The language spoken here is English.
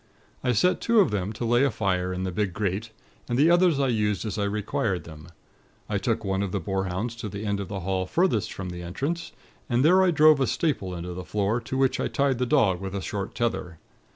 I set two of them to lay a fire in the big grate, and the others I used as I required them. I took one of the boarhounds to the end of the hall furthest from the entrance, and there I drove a staple into the floor, to which I tied the dog with a short tether.